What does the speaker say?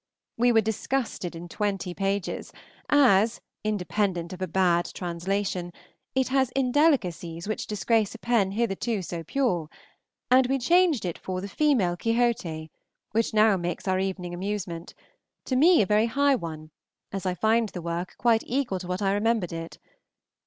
We were disgusted in twenty pages, as, independent of a bad translation, it has indelicacies which disgrace a pen hitherto so pure; and we changed it for the "Female Quixote," which now makes our evening amusement; to me a very high one, as I find the work quite equal to what I remembered it.